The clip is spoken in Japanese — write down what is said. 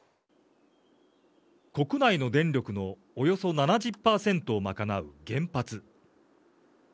国内の電力のおよそ７０％を賄う原発。